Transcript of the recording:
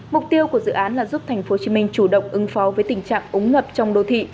mục tiêu của dự án là giúp tp hcm chủ động ứng phó với tình trạng ống ngập trong đô thị